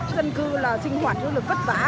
dân cư là sinh hoạt rất là vất vả và phức tạp